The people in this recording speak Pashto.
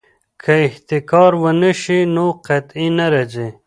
که احتکار ونه شي نو قحطي نه راځي.